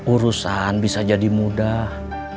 urusan bisa jadi mudah